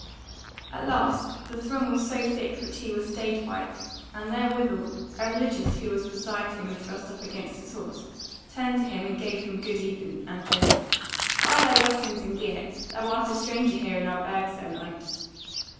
At last the throng was so thick that he was stayed by it; and therewithal a religious who was beside him and thrust up against his horse, turned to him and gave him good even, and said: "By thy weapons and gear thou art a stranger here in our burg, Sir Knight?"